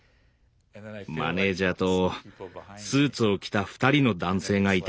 マネージャーとスーツを着た２人の男性がいた。